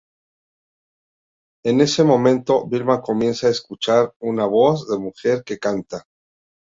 En ese momento, Vilma comienza a escuchar una voz de mujer que canta.